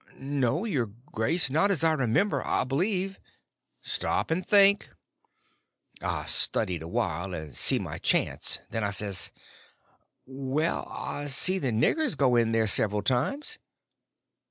"No, your grace, not as I remember, I believe." "Stop and think." I studied awhile and see my chance; then I says: "Well, I see the niggers go in there several times."